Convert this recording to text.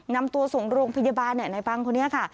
นำตัวส่งโรงพยาบาลในบังคนนี้ค่ะ